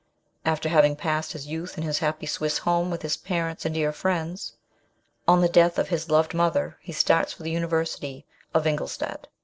After having passed his youth in his happy Swiss home with his parents and dear friends, on the death of his loved mother he starts for the University of Ingolstadt.